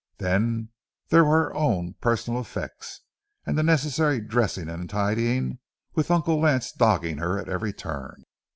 Then there were her own personal effects and the necessary dressing and tidying, with Uncle Lance dogging her at every turn.